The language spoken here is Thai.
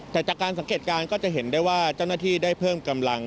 แต่จากการสังเกตการณ์ก็จะเห็นได้ว่าเจ้าหน้าที่ได้เพิ่มกำลัง